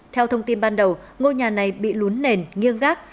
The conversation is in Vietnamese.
theo thông tin ban đầu ngôi nhà này bị lún nền nghiêng gác